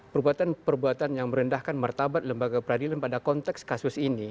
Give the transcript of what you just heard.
perbuatan perbuatan yang merendahkan martabat lembaga peradilan pada konteks kasus ini